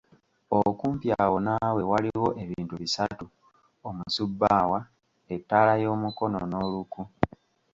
Okumpi awo naawe waliwo ebintu bisatu; omusubbaawa, ettaala y’omukono n’oluku.